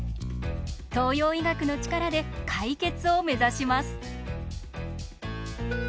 東洋医学のチカラで解決を目指します！